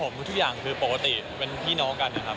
ผมทุกอย่างคือปกติเป็นพี่น้องกันนะครับ